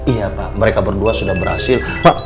iya pak mereka berdua sudah berhasil pak